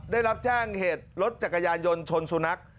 ได้รับแจ้งเหตุรถจักรยานยนต์ชนสุนัข